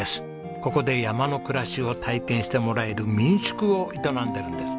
ここで山の暮らしを体験してもらえる民宿を営んでるんです。